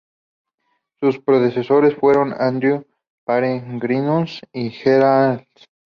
Sus predecesores fueron Andrew, Peregrinus y Gerard.